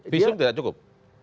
pisum tidak cukup